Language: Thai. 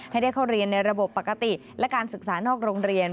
ให้ได้เข้าเรียนในระบบปกติและการศึกษานอกโรงเรียน